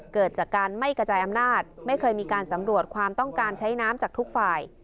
เกิดจากการไม่กระจายอำนาจไม่เคยมีการสำรวจความต้องการใช้น้ำจากทุกฝ่าย